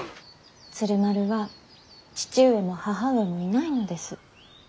鶴丸は父上も母上もいないのです。